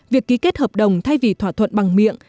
việc ký kết hợp đồng thay vì thỏa thuận bằng miệng